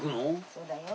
そうだよ。